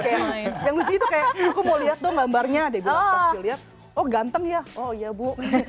terus kayak yang lucu itu kayak kok mau liat dong gambarnya deh gue pas liat oh ganteng ya oh iya bu